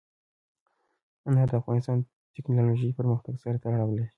انار د افغانستان د تکنالوژۍ پرمختګ سره تړاو لري.